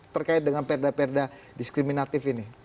terkait dengan perda perda diskriminatif ini